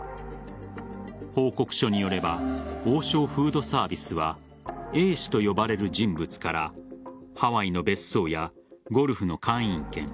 報告書によれば王将フードサービスはＡ氏と呼ばれる人物からハワイの別荘やゴルフの会員権